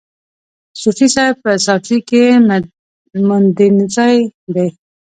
صوفي صاحب په ساکزی کي مندینزای دی.